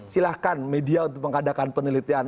silahkan media untuk mengadakan penelitian